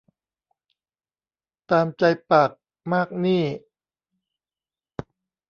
ตามใจปากมากหนี้